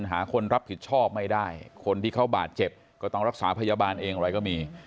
หาคนรับผิดชอบไม่ได้คนที่เขาบาดเจ็บก็ต้องรักษาพยาบาลเองอะไรก็มี